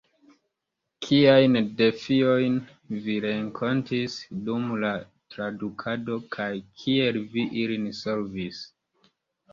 Kiajn defiojn vi renkontis dum la tradukado, kaj kiel vi ilin solvis?